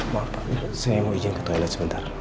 maaf pak saya mau izin ke toilet sebentar